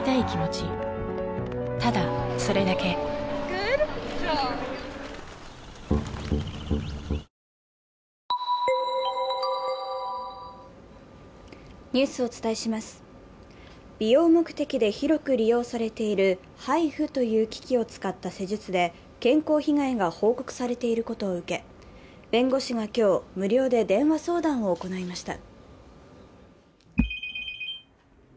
クリニカアドバンテージ美容目的で広く利用されているＨＩＦＵという機器を使った施術で健康被害が報告されていることを受け弁護士が今日、無料で電話相談を行いました。